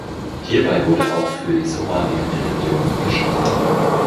Hierbei wurde auch für die Somali eine Region geschaffen.